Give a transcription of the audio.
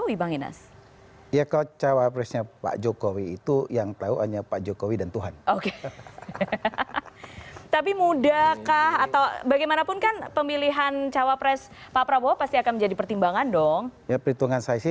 yang saya tahu ya ini a satu informasi dari a sampai z